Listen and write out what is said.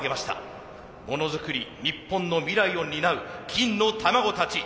ものづくり日本の未来を担う金の卵たちＮ岡高専。